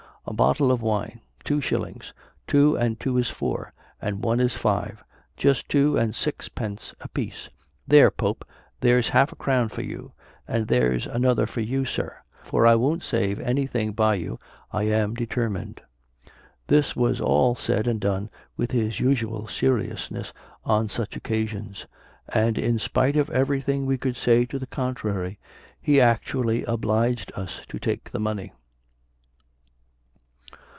A bottle of wine, two shillings two and two is four, and one is five; just two and sixpence a piece. There, Pope, there's half a crown for you; and there's another for you, Sir; for I won't save any thing by you, I am determined." This was all said and done with his usual seriousness on such occasions; and in spite of every thing we could say to the contrary, he actually obliged us to take the money."